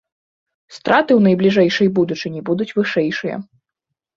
Страты ў найбліжэйшай будучыні будуць вышэйшыя.